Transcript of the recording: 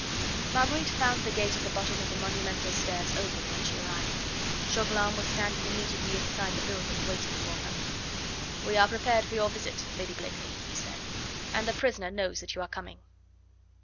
Marguerite found the gate at the bottom of the monumental stairs open when she arrived. Chauvelin was standing immediately inside the building waiting for her. "We are prepared for your visit, Lady Blakeney," he said, "and the prisoner knows that you are coming."